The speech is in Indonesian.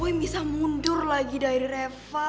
nanti bu bisa mundur lagi dari reva